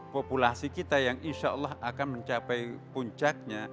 populasi kita yang insya allah akan mencapai puncaknya